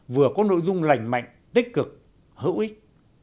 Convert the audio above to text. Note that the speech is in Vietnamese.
vừa có nội dung lành mạnh tích cực hữu ích